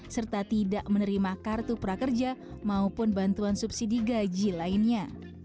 serta tidak menerima kartu prakerja maupun bantuan subsidi gaji lainnya